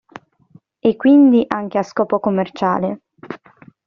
E quindi anche a scopo commerciale.